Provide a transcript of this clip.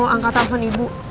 gue mau angkat telfon ibu